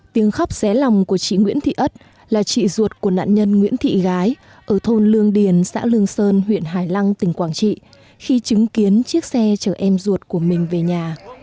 tiếng khóc xé lòng của chị nguyễn thị ất là chị ruột của nạn nhân nguyễn thị gái ở thôn lương điền xã lương sơn huyện hải lăng tỉnh quảng trị khi chứng kiến chiếc xe chở em ruột của mình về nhà